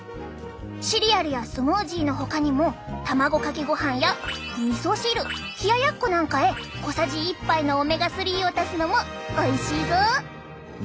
シリアルやスムージーのほかにも卵かけごはんやみそ汁冷やっこなんかへ小さじ１杯のオメガ３を足すのもおいしいぞ！